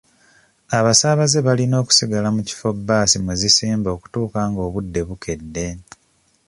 Abasaabaze balina okusigala mu kifo baasi mwe zisimba okutuuka nga obudde bukedde.